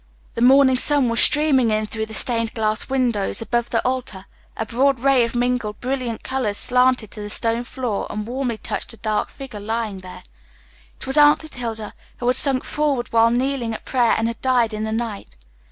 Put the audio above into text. The morning sun was streaming in through the stained glass windows above the altar a broad ray of mingled brilliant colors slanted to the stone floor and warmly touched a dark figure lying there. It was Aunt Clotilde, who had sunk forward while kneeling at prayer and had died in the night.